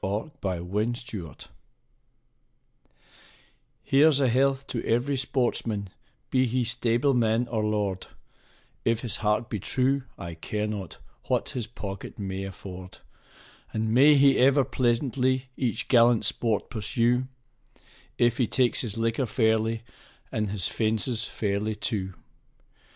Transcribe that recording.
A Hunting Song Here's a health to every sportsman, be he stableman or lord, If his heart be true, I care not what his pocket may afford; And may he ever pleasantly each gallant sport pursue, If he takes his liquor fairly, and his fences fairly, too.